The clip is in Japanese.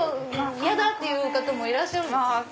嫌だっていう方もいらっしゃる。